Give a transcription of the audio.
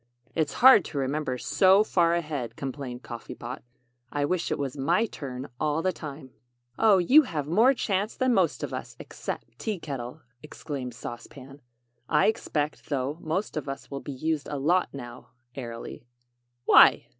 "It's hard to remember so far ahead," complained Coffee Pot. "I wish it was my turn all the time." "Oh, you have more chance than most of us, except Tea Kettle," exclaimed Sauce Pan. "I expect, though, most of us will be used a lot now," airily. "Why?"